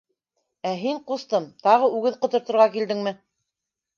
- Ә һин, ҡустым, тағы үгеҙ ҡоторторға килдеңме?